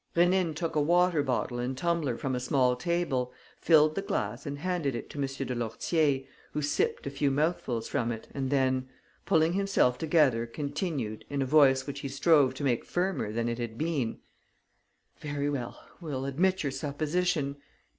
Rénine took a water bottle and tumbler from a small table, filled the glass and handed it to M. de Lourtier, who sipped a few mouthfuls from it and then, pulling himself together, continued, in a voice which he strove to make firmer than it had been: "Very well. We'll admit your supposition.